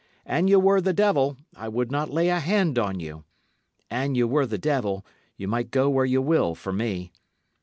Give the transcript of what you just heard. An ye were the devil, I would not lay a hand on you. An ye were the devil, ye might go where ye will for me.